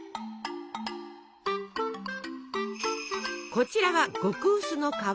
こちらは極薄の皮。